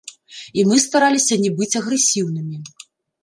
І мы стараліся не быць агрэсіўнымі.